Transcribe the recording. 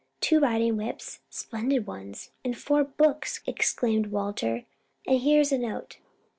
"Two riding whips splendid ones and four books!" exclaimed Walter; "and here's a note."